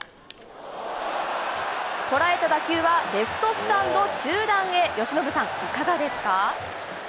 捉えた打球はレフトスタンド中段へ、由伸さん、いかがですか。